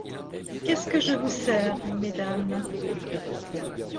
Qu'est-ce que je vous sers, mesdames?